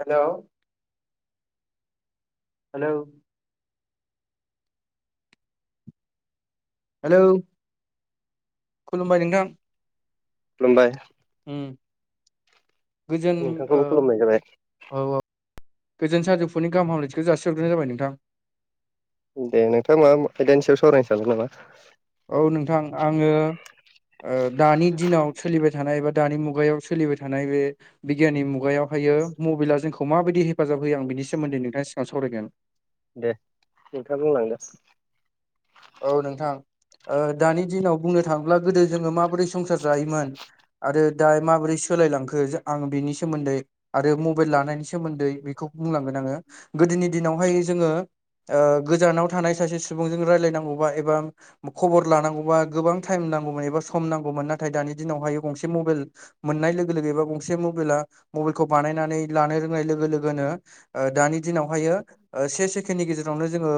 Hello hello hello खुलुमबाय नोंथां खुलुमबाय उम गोजोन नोंथांखौबो ओ खुलुमनाय जाबाय औ औ गोजोन सानजौफुनि गाहाम हामलायथिखौ जासि हरग्रोनाय जाबाय नोंथां दे नोंथां मा आयदानि सायाव सावरायनो सानदों नामा औ नोंथां आङो ओ दानि दिनाव सोलिबाय थानाय बा दानि मुगायाव सोलिबाय थानाय बे बिगियाननि मुगायावहायो मबाइला जोंखौ माबायदि हेफाजाब होयो आं बिनि सोमोन्दै नोंथांनि सिगाङाव सावरायगोन दे नोंथां बुंलांदो औ नोंथां दानि ओ दिनाव बुंनो थाङोब्ला गोदो जोङो माबोरै संसार जायोमोन आरो दा माबोरै सोलायलांखो आं बिनि सोमोन्दै आरो मबाइल लानायनि सो सोमोन्दै बेखौ बुंलांगोन आङो गोदोनि दिनावहाय जोङो ओ गोजानाव थानाय सासे सुबुंजों रायलायनांगौबा एबा खबर लानांगौबा गोबां टाइम नांगौमोन एबा सम नांगौमोन नाथाय दानि दिनावहायो गंसे मबाइल मोननाय लोगो लोगो एबा गंसे मबाइला मबाइलखौ बानायनानै लानो रोंनाय लोगो लोगोनो दानि दिनावहायो से सेकेणडनि गेजेरावनो जोङो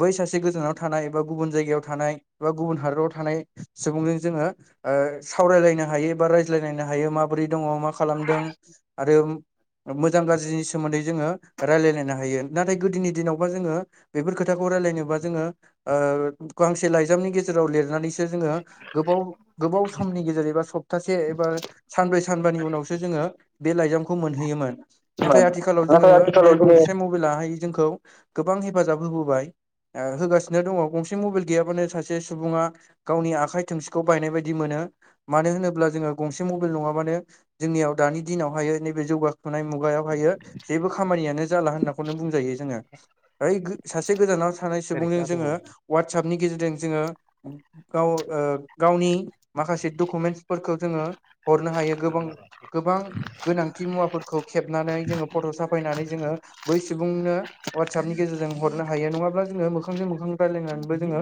बै सासे गोजानाव थानाय बा गुबुन जायगायाव थानाय बा गुबुन हादराव थानाय सुबुंजों जोङो सावरायलायनो हायो बा रायज्लायलायनो हायो माबोरै दङ मा खालामदों आरो मोजां गाज्रिनि सोमोन्दै जोङो रायलायलायनो हायो नाथाय गोदोनि दिनावबा जोङो बेफोर खोथाखौ रायलायनोबा जोङो ओ गांसे लाइजामनि गेजेराव लिरनानैसो जोङो गोबाव गोबाव समनि गेजेर एबा सब थासे एबा सानब्रै सानबानि उनावसो जोङो बे लाइजामखौ मोनहैयोमोन नाथाय आथिखालाव जोङो नाथाय आथिखालाव बे जोङो गंसे मु बेलाहाय जोंखौ गोबां हेफाजाब होबोबाय होगा नो दङ गंसे मबाइल गैयाबानो सासे सुबुङा गावनि आखाइ थोंसेखौ बायनाय बायदि मोनो मानो होनोब्ला जोङो गंसे मबाइल नङाबानो जोंनियाव दानि दिनावहायो नैबे जौगाखुनाय मुगायावहायो जेबो खामानियानो जाला होननाखौनो बुंजायो जोङो ओइ सासे गोजानाव थानाय सुबुंजों वाटसापनि गेजेरजों जोङो गाव ओ गावनि माखासे डकुमेन्टसफोरखौ जोङो हरनो हायो गोबां गोबां गोनांथि मुवाफोरखौ खेबनानै जोङो फट' साफायनानै जोङो बै सुबुंनो वाटसापनि गेजेरजों हरनो हायो नङाब्ला जोङो मोखांजों मोखां रायायनानैबो जोङो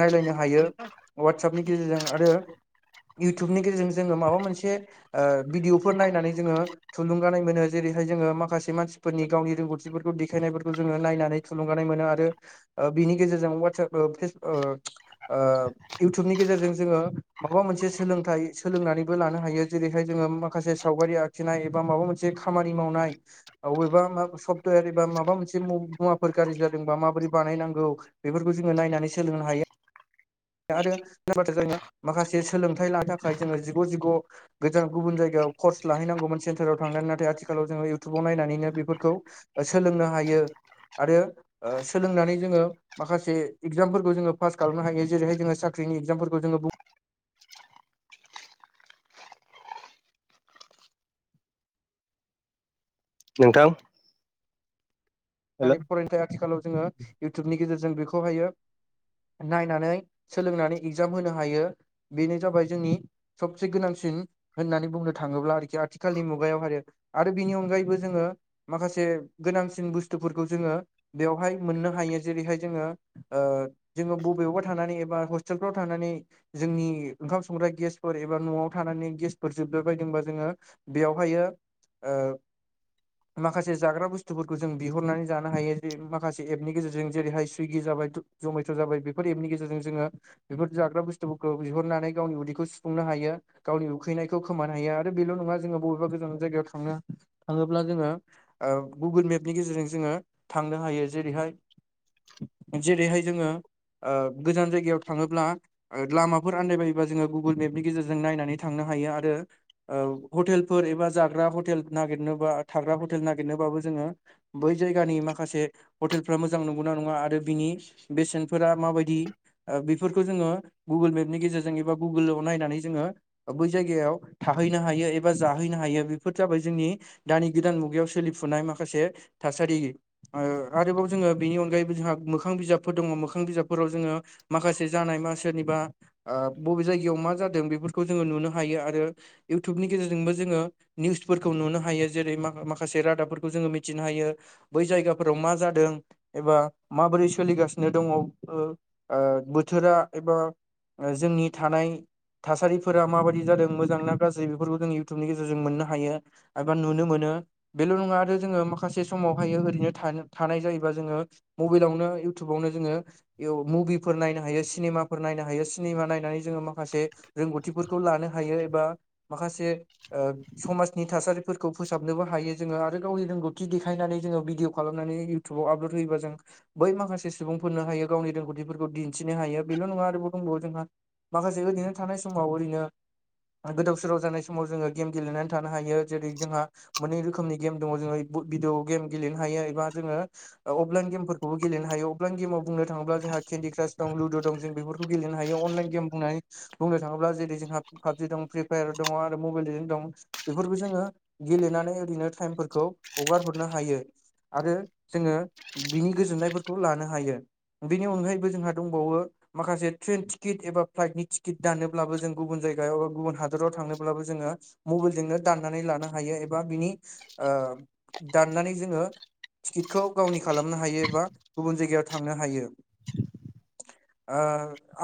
नायलायनो हायो वाटसपनि गेजेरजों आरो इउटुबनि गेजेरजों जोङो माबा मोनसे भिडिअफोर नायनानै जोङो थुलुंगानाय मोनो जेरैहाय जोङो माखासे मानसिफोरनि गावनि रोंगौथिफोरखौ देखायनायफोरखौ जोङो नायनानै थुलुंगानाय मोनो आरो बिनि गेजेरजों वाटसाप फेसबुक इउटुबनि गेजेरजों जोङो माबा मोनसे सोलोंथाइ सोलोंनानैबो लानो हायो जेरैहाय जोङो माखासे सावगारिया फिनाय एबा माबा मोनसे खामानि मावनाय अबेबा मा सफ्टवेर एबा माबा मोनसे मुवाफोर गाज्रि जादोंबा माबोरै बानायनांगौ बेफोरखौ जोङो नायनानै सोलोंनो हायो आरो बाथ्रा जाय माखासे सोलोंथायाइ लानो थाखाय जोङो जिगु जिगु गोजान गुबुन जायगायाव कर्स लाहैनांगौमोन सेन्टाराव थांनानै नाथाय आथिखालाव जोङो इउथटुबाव नायनानैनो बेफोरखौ सोलोंनो हायो आरो सोलोंनानै जोङो माखासे एगजामफोरखौ जोङो पास खालामनो हायो जेरैाय जो साख्रिनि एक्जामफोरखौ जो नोंथां हेल' दानि फरायथाय आथिखालाव जोङो इयउटुबनि गेजेरजों बेखौहायो नायनानै सोलोंनानै एग्जाम होनो हायो बेनो जाबाय जोंनि सबसे गोनांसिन होननानै बुंनो थाङोब्ला आरोखि आथिखालनि मुगायाव आरो बिनि अनगायैबो जोङो माखासे गोनांसिन बुस्थुफोरखौ जोङो बेवहाय मोननो हायो जेरैहाय जोङो जोङो बबेयावबा थानानै एबा हस्टेलफ्राव थानानै जोंनि ओंखाम संग्रा गेसफोर एबा न'आव थानानै गेसफोर जोबबाय बायदोंबा जोङो बेयावहायो माखासे जाग्रा बुस्थुफोरखौ जों बिहरनानै जानो हायो जे माखासे एपनि गेजेरजों जेरैहाय सुइगि जाबाय जमेट' जाबाय बे बेफोर एपनि गेजेरजों जोङो बेफोर जाग्रा बुस्थुफोरखौ बिहरनानै गावनि उदैखौ सुफुंनो हायो गावनि उखैनायखौ खोमानो हायो आरो बेल' नङा जोङो बबेबा गोजान जायगायाव थांनो थाङोब्ला जोङो गुगोल मेपनि गेजेरजों जोङो थांनो हायो जेरैहाय जेरैहाय जोङो गोजान जायगायाव थाङोब्ला लामाफोर आन्दायबायोबा जोङो गुगोल मेपनि गेजेरजों नायनानै थांनो हायो आरो हटेलफोर एबा जाग्रा हटेल नागिरनोबा थाग्रा हटेल नागिरनोबाबो जोङो बै जायगानि माखासे हटेलफ्रा मोजां नंगौना नङा आरो बिनि बेसेनफोरा माबायदि बेफोरखौ जोङो गुगोल मेपनि गेजेरजों एबा गुगोलाव नायनानै जोङो बै जायगायाव थाहैनो हायो एबा जाहैनो हायो बेफोर जाबाय जोंनि दानि गोदान मुगायाव सोलिफुनाय माखासे थासारि आरोबाव जोङो बेनि अनगायैबो जोंहा मोखां बिजाबफोर दङ मोखां बिजाबफोराव जोङो माखासे जानाय मा सोरनिबा बबे जायगायाव मा जादों बेफोरखौ जोङो नुनो हायो आरो इउटुबनि गेजेरजोंबो जोङो निउसफोरखौ नुनो हायो जेरै म माखासे रादाबफोरखौ जोङो मिथिनो हायो बै जायगाफोराव मा जादों एबा माबोरै सोलिगासिनो दङ बोथोरा एबा जोंनि थानाय थासारिफोरा माबायदि जादों मोजांनाा गाज्रि बेफोरखौ जों इयउटुबनि गेजेरजों मोननो हायो एबा नुनो मोनो बेल' नङा आरो जोङो माखा माखासे समावहायो ओरैनो थानो- थानाय जायोबा जोङो मबाइलावनो इउटुबावनो जोङो बेयाव मुभिफोर नायनो हायो सिनेमाफोर नायनो हायो सिनेमा नायनानै जोङो मा खासे रोंगौथिफोरखौ लानो हायो एबा माखासे ओ समाजनि थासारिफोरखौ फोसाबनोबो हायो जोङो आरो गावनि रोंगौ थि देखायनानै जोङो भिडिअ' खालामनानै इउटुबाव आपलड होयोबा जों बै माखासे सुबुंफोरनो हायो गावनि रोंगौथिफोरखौ दिन्थिनो हायो बेल' नङा आरोबाव दंबावो जोंहा माखासे ओरैनो थानाय समाव ओरैनो ओ गोदाव-सोराव जानाय समाव जोङो गेम गेलेनानै थानो हायो जेरै जोंहा मोनै रोखोमनि गेम दङ' जोङो भिदिअ गेम गेलेनो हायो एबा जोङो ओ अफलाइन गेम फोरखौबो गेलेनो हायो अफलाइन गेमाव बुंनो थाङोब्ला जोंहा केन्डि क्रास दं लुदु दं जों बेफोरखौ खौ गेलेनो हायो अनलाइन गेम बुंनानै बुंनो थाङोब्ला जेरै जोंहा पाबजि दं फ्रि फायार दङ' आरो मबाइल लिजेन्ड दं। बेफोरखौ जोङो गेलेनानै ओरैनो टाइमफोरखौ हगार हरनो हायो। आरो जोङो बिनि गोजोननायफोरखौ लानो हायो। बेनि अनगायैबो जोंहा दंबावो माखासे ट्रेन टिकिट एबा फ्लाइटनि टिकिट दानोब्लाबो जों गुबुन जायगायाव एबा गुबुन हादराव थांनोब्लाबो जोङो मबाइलजोंनो दाननानै लानो हायो एबा बिनि ओ दाननानै जोङो टिकिटखौ गावनि खालामनो हायो एबा गुबुन जायगायाव थांनो हायो। ओ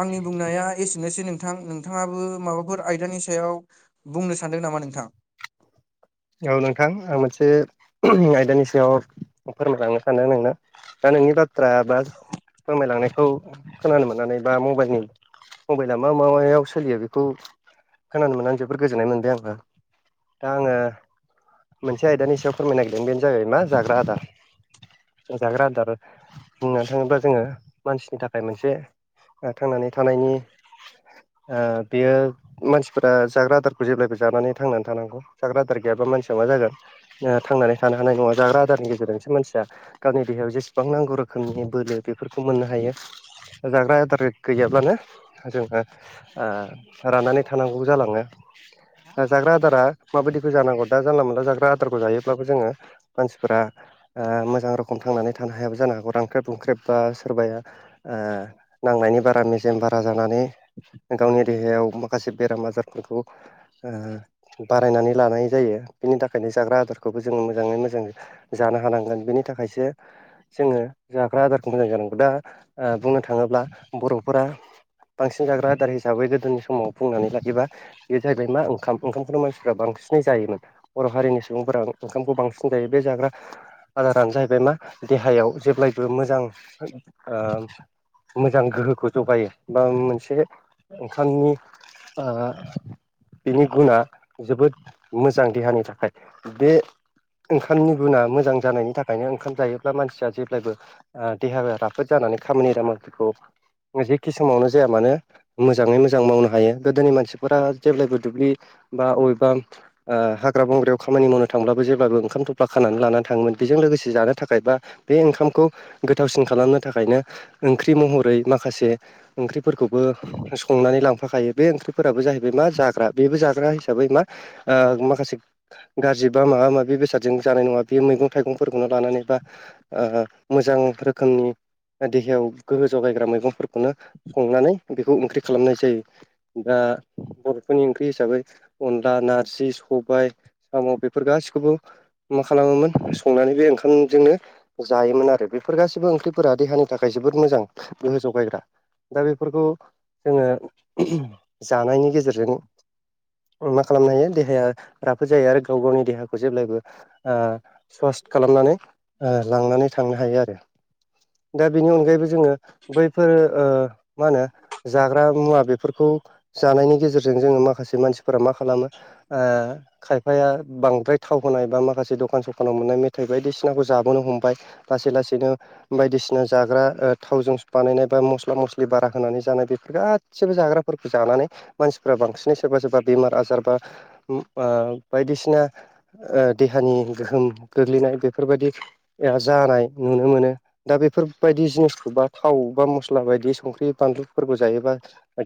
आंनि बुंनाया एसेनोसै नोंथां नोंथाङाबो माबाफोर आयदानि सायाव बुंनो सानदों नामा नोंथां? औ नोंथां आं मोनसे आयदानि सायाव फोरमायलांनो सानदों नोंनो दा नोंनि बाथ्रा बा फोरमायलांनायखौ खोनानो मोननानै बा मबाइलनि मबाइला मा मा मायाव सोलियो बेखौ खोनानो मोननानै जोबोर गोजोननाय मोनबाय आंबो दा आङो मोनसे आयदानि सायाव फोरमायनो नागिरदों बेनो जाहैबाय मा जाग्रा आदार जाग्रा आदारा बुंनो थाङोब्ला जोङो मानसिनि थाखाय मोनसे ओ थांनानै थानायनि ओ बेयो मानसिफोरा जाग्रा आदारखौ जेब्लायबो जानानै थांनानै थानांगौ जाग्रा आदार गैयाबा ओ मानसिया मा जागोन थांनानै थानो हानाय नङा जाग्रा आदारनि गेजेरजोंसो मानसिया गावनि देहायाव जेसेबां नांगौ रोखोमनि बोलो बेफोरखौ मोननो हायो। ओ जाग्रा आदार गैयाब्लानो जोङो ओ राननानै थानांगौबो जालाङो ओ जाग्रा आदारा माबादि खौ जानांगौ दा जानला मोनानला जाग्रा आदारखौ जायोब्लाबो जोङो मानसिफोरा ओ मोजां रखम थांनानै थानो हायाबो जानो हागौ रांख्रेब-रुंख्रेब बा सोरबाया ओ नांनायनि बारा मेजेम बारा जानानै गावनि देहायाव माखासे बेराम आजारफोरखौ ओ बारायनानै लानाय जायो बिनि थाखायनो जाग्रा आदारखौबो जोङो मोजाङै मोजां जानो हानांगोन बेनि थाखायसो जोङो जाग्रा आदारखौ मोजां जानांगौ दा बुंनो थाङोब्ला बर'फोरा बांसिन जाग्रा आदार हिसाबै गोदोनि समाव बुंनानै लायोबा बे जाहैबाय मा ओंखाम ओंखामखौनो मानसिफोरा बांसिन सिनै जायोमोन बर' हारिनि सुबुंफोरा ओंखामखौ बांसिन जायो बे जाग्रा आदारानो जाहैबाय मा देहायाव जेब्लायबो मोजां ओ मोजां गोहोखौ जगायो बा मोनसे ओंखामनि ओ बिनि गुना जोबोद मोजां देहानि थाखाय बे ओंखामनि गुना मोजां जानायनि थाखायनो ओंखाम जायोब्ला मानसिया जेब्लायबो ओ देहाया राफोद जानानै खामानि दामानिफोरखौ जेखि समावनो जाया मानो मोजाङै मोजां मावनो हायो गोदोनि मानसिफोरा जेब्लायबो दुब्लि बा अबेबा ओ हाग्रा बंग्रायाव खामानि मावनो थांब्लाबो जेब्लाबो ओंखाम थफ्ला खानानै लानानै थाङोमोन बेजों लोगोसे जानो थाखाय बा बे ओंखामखौ गोथावसिन खालामनो थाखायनो ओंख्रि महरै माखासे ओंख्रिफोरखौबो संनानै लांफाखायो बे ओंख्रिफोराबो जाहैबाय मा जाग्रा बेबो जाग्रा हिसाबै मा? ओ माखासे गाज्रि बा माबा माबि बेसादजों जानाय नङा बे मैगं थाइगंफोरखौनो लानानै बा ओ मोजां रोखोमनि देहायाव गोहो जगायग्रा मैगंफोरखौनो संनानै बेखौ ओंख्रि खालामनाय जायो। दा बर'फोरनि ओंख्रि हिसाबै अनला नार आसि सबाय साम' बेफोर गाससिखौबो मा खालामोमोन संनानै बे ओंखामजोंनो जायोमोन आरो बेफोर गाैबो ओंख्रिफोरा देहानि थाखाय जोबोद मोजां गोहो जगायग्रा दा बेफोरखौ जोङो जानायनि गेजेरजों मा खालामनो हायो देहाया राफोद जायो आरो गाव गावनि देहाखौ जेब्लायबो ओ स्व्थ खालामनानै ओ लांनानै थांनो हायो आरो। दा बिनि अनगायैबो जोङो बैफोरो ओ मा होनो जाग्रा मुवा बेफोरखौ जानायनि गेजेरजों जोङो माखासे मानसि फोर मा खालामो ओ खायफाया बांद्राय थाव होनाय बा माखासे दखान सखानाव मोननाय मेथाइ बायदिसिनाखौ जाबोनो हमबाय ‌। लासै लासैनो बायदिसिना जाग्रा थावजों बानायनाय बा मस्ला मस्लि बारा होनानै जानाय बेफोर गाससिबो जाग्राफोरखौ जानानै मानसिफ्रा बांसिनै सोरबा सोरबा बेमार आजार बा बायदिसिना देहानि गोहोम गोग्लैनाय बेफोरबायदि जानाय नुनो मोनो। दा बेफोरबायदि जिनिसखौ बा थाव बा मस्ला बायदि संख्रि बानलुफोरखौ जायोबा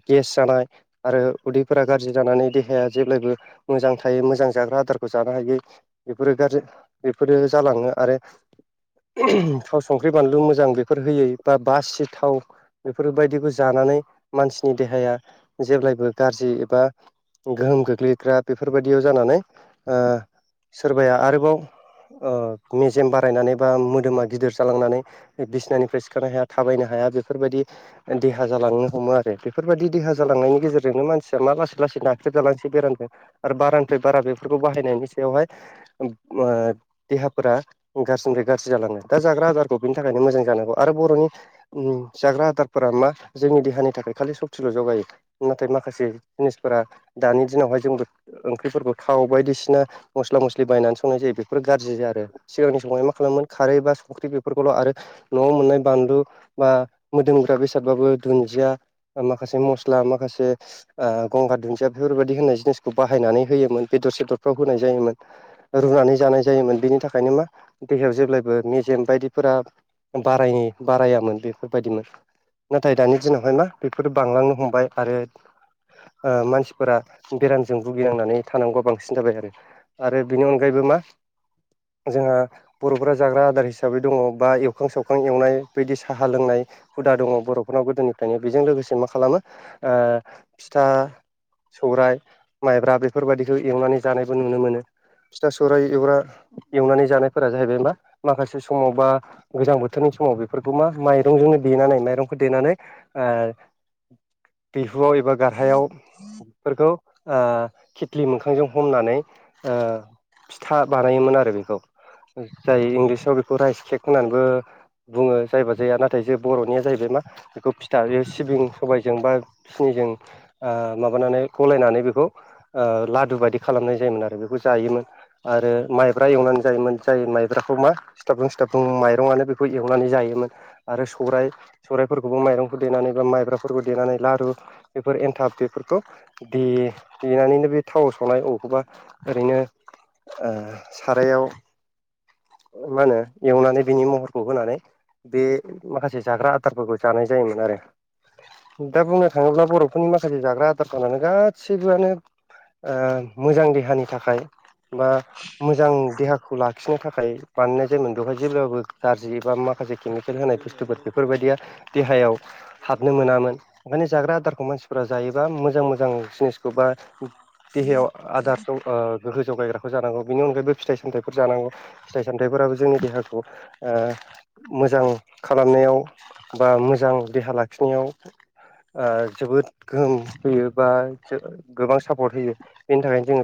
गेस जानाय आरो उदैफोरा गाज्रि जानानै देहाया जेब्लायबो मोजां थायो मोजां जाग्रा आदारखौ जानो हायो। बेफोरो गाज्रि बेफोरो जालाङो आरो। थाव संख्रि बानलु मोजां बेफोर होयै बा बासि थाव बेफोरबायदिखौ जानानै मानसिनि देहाया जेब्लायबो गाज्रि एबा गोहोम गोग्लैग्रा बेफोरबायदियाव जानानै ओ सोरबाया आरोबाव ओ मेजेम बारायनानै बा मोदोमा गिदिर जालांनानै बिसनानिफ्राय सिखारनो हाया थाबायनो हाया बेफोरबायदि देहा जालांनो हमो आरो बेफोरबायाददि देहा जालांनायनि गेजेरजोंनो मानसिया मा लासै लासै ना ह्रेब जालांसै बेरामजों आरो बारानिफ्राय बारा बेफोरखौ बाहायनायनि सायावहाय ओ देहाफोरा गाज्रिनिफ्राय गाज्रि जालाङो दा जाग्रा आदारखौ बिनि थाखायनो मोजां जानांगौ आरो बर'नि जाग्रा आदारफोरा मा जोंनि देहानि थाखाय खालि सक्तिल' जौगायो। नाथाय माखासे जिनिसफोरा दानि दिनावहाय जोंबो ओंख्रिफोरखौ थाव बायदिसिना मस्ला मस्लि बायनानै संनाय जायो बेफोर गाज्रि आरो। सिगांनि समावहाय मा खालामोन खारै बा संख्रि बेफोरखौल' आरो न'आव मोननाय बानलु बा मोदोमग्रा बेसादबाबो दुन्दिया माखासे मस्ला माखासे ओ गंगार दुन्दिया बेफोरबायदि होननाय जिनिस बे बाहायनानै होयोमोन बेदर सेदरफ्राव होनाय जायोमोन। रुनानै जानाय जायोमोन बिनि थाखायनो मा देहायाव जेब्लायबो मेजेम बायदिफोरा बारायनि बारायामोन बेफोरबायदिमोन। नाथाय दानि दिनावहाय मा बेफोरो बांलांनो हमबाय आरो ओ मानसिफोरा बेराम जों भुगिनांनानै थानांगौआ बांसिन जाबाय आरो आरो बेनि अनगायैबो मा जोंहा बर'फोरा जाग्रा आदार हिसाबै दङ बा एवखां सावखां एवनाय बदि साहा लोंनाय हुदा दङ बर'फोरनाव गोदोनिफ्रायनो बेजों लोगोसे मा खालामो ओ फिथा सौरायाइ माइब्रा बेफोरबायाददिखौ एवनानै जानायबो नुनो मोनो। फिथा सौरायाइ एवग्रा एवनानै जानायफोरा जाहैबाय मा माखासे समाव बा गोजां बोथोरनि समाव बेफोरखौ मा माइरंजोंनो देनानै माइरंखौ देनानै दैहुआव एबा गाहायाव बेफोरखौ खेथ्लि मोखांजों हमनानै फिथा बानायोमोन आरो बेखौ जाय इंलिसाव बेखौ राइस केक होननानैबो बुङो जायबा जाया नाथाय जे बर'निया जाहैबाय मा बेखौ दा बे सिबिं सबायजों बा सिनिजों माबानानै गलायनानै बे बेखौ लादु बायदि खालामनाय जायोमोन आरो बेखौ जायोमोन आरो माइब्रा एवनानै जायोमोन जाय माइब्राखौ मा सिथाबुं सिथाबुं माइरंनो बेखौ एवनानै जायोमोन आरो सौराइ सौरायफोरखौबो माइरंफोर देनानै बा माइब्राफोरखौ देनानै लारु बेफोर एन्थाब बेफोरखौ दे देनानैनो बे थाव संनाय बबेखौबा ओरैनो ओ सारायाव मा होनो एवनानै बिनि महरखौ होनानै बे माखासे जाग्रा आदारफोरखौ जानाय जायोमोन आरो दा बुंनो थाङोब्ला बर'फोरनि माखासे जाग्रा आदारफोरानो गासैबो गासैबोआनो मोजां देहानि थाखाय बा मोजां देहाखौ लाखिनो थाखाय बानायनाय जायोमोन बेवहाय जेब्लाबो गाज्रि एबा माखासे केमिकेल होनाय बुस्थुफोर बेफोरबायदिया देहायाव हाबनो मोनामोन ओंखायनो जाग्रा आदारखौ मानसिफोरा जायोबा मोजां मोजां जिनिस बा देहायाव आदार दं गोगगौ जगायग्राखौ जानांगौ बेनि अनगायबो फिथाइ सामथाइफोर जानांगौ फिथाइ सामथाइफोराबो जोंनि देहाखौ मोजां खालामनायाव बा मोजां देहा लाखिनायाव जोबोद गोहोम होयो बा गोबां सापर्ट होयो बेनि थाखायनो जोङो